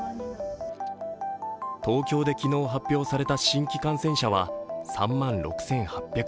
東京で昨日発表された新規感染者は３万６８１４人。